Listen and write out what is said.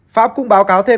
pháp cũng báo cáo thêm